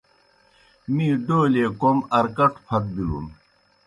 می ڈولیئے کوْم ارکٹوْ پھت بِلُن۔